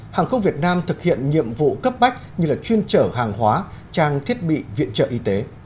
hàng không việt nam thực hiện nhiệm vụ cấp bách như chuyên trở hàng hóa trang thiết bị viện trợ y tế